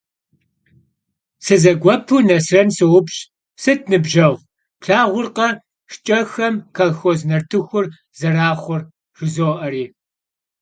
Sızeguepui Nesren soupş' :- Sıt, nıbjeğu, plhağurtekhe şşç'exem kolxoz nartıxur zeraxhur? - jjızo'eri.